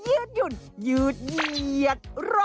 หยุดหยุ่นยืดเหยียดรอ